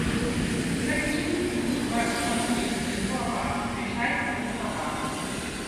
Какими будут ваши последние слова, решать только вам.